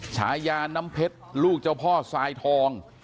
ฉายาน้ำเพชรลูกเจ้าพ่อทรายทอง